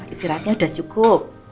isiratnya udah cukup